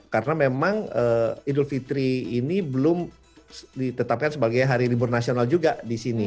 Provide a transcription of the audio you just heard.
karena memang idul fitri ini belum ditetapkan sebagai hari libur nasional juga di sini